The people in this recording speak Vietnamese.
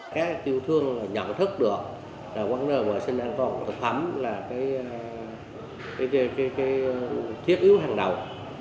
các tiêu thương nhận thức được quán rơi vệ sinh an toàn thực phẩm là cái thiết yếu hàng đầu